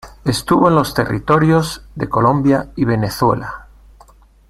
Estuvo en los territorios de Colombia y Venezuela.